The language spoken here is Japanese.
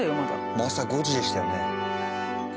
もう朝５時でしたよね。